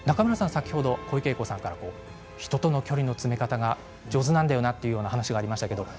先ほど小池栄子さんから人との距離の詰め方が上手という話がありました。